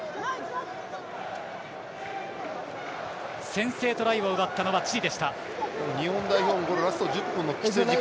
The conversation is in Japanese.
先制トライを奪ったのはチリ。